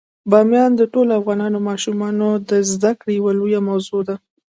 بامیان د ټولو افغان ماشومانو د زده کړې یوه لویه موضوع ده.